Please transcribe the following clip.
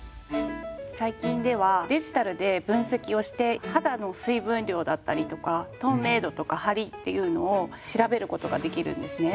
最近ではデジタルで分析をして肌の水分量だったりとか透明度とかハリっていうのを調べることができるんですね。